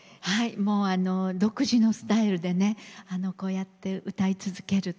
もう独自のスタイルでねこうやって歌い続ける。